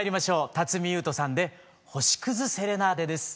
辰巳ゆうとさんで「星くずセレナーデ」です。